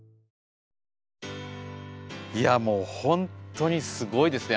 いやもう本当にすごいですね。